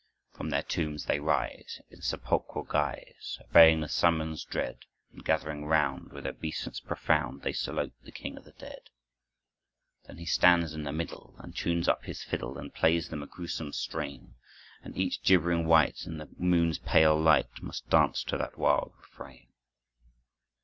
From their tombs they rise In sepulchral guise, Obeying the summons dread, And gathering round With obeisance profound, They salute the King of the Dead. Then he stands in the middle And tunes up his fiddle, And plays them a gruesome strain. And each gibbering wight In the moon's pale light Must dance to that wild refrain.